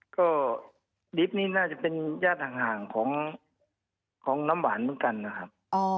ก็ดิฟต์นี่น่าจะเป็นญาติห่างของน้ำหวานเหมือนกันนะครับ